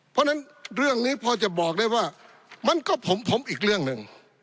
เพราะฉะนั้นเรื่องนี้พอจะบอกได้ว่ามันก็ผมอีกเรื่องหนึ่ง